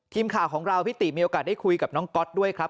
ทีมข่าวของเราพี่ติมีโอกาสได้คุยกับน้องก๊อตด้วยครับ